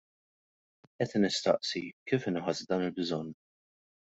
Qed nistaqsi, kif inħass dan il-bżonn?